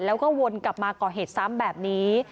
แล้วก็วนกลับมาก่อเหตุซ้ำแบบนี้